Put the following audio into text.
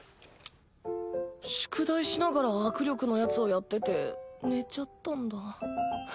宿題しながら握力のやつをやってて寝ちゃったんだ。